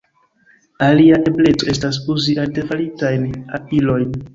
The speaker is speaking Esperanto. Alia ebleco estas uzi artefaritajn ilojn.